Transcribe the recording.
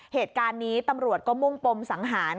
เหตุการณ์นี้ตำรวจก็มุ่งปมสังหาร